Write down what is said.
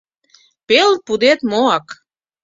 — Пел пудет моак.